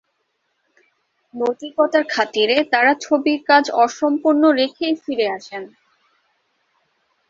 নৈতিকতার খাতিরে তাঁরা ছবির কাজ অসম্পূর্ণ রেখেই ফিরে আসেন।